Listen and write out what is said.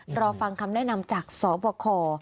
รอฟังคำแนะนำจากสบค